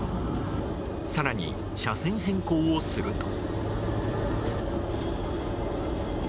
更に、車線変更をすると。